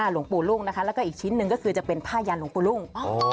หลวงปู่รุ่งนะคะแล้วก็อีกชิ้นหนึ่งก็คือจะเป็นผ้ายันหลวงปู่รุ่ง